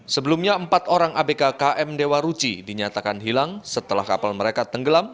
sebelumnya empat orang abk km dewa ruci dinyatakan hilang setelah kapal mereka tenggelam